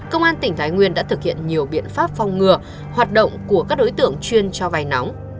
công an tỉnh thái nguyên đã thực hiện nhiều biện pháp phòng ngừa hoạt động của các đối tượng chuyên cho vay nóng